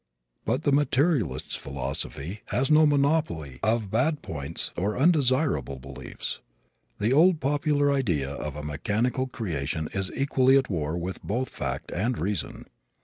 But the materialist's philosophy has no monopoly of bad points or undesirable beliefs. The old popular idea of a mechanical creation is equally at war with both fact and reason.